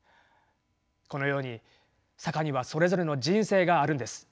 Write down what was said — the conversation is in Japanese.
このように坂にはそれぞれの人生があるんです。